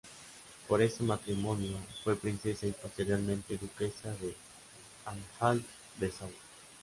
Por este matrimonio fue Princesa y posteriormente Duquesa de Anhalt-Dessau.